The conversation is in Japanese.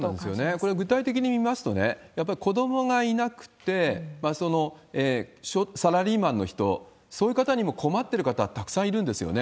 これ具体的に見ますと、やっぱり子どもがいなくて、サラリーマンの人、そういう方にも困ってる方、たくさんいるんですよね。